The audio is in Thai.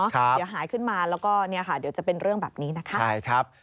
เดี๋ยวหายขึ้นมาแล้วก็เนี่ยค่ะเดี๋ยวจะเป็นเรื่องแบบนี้นะคะ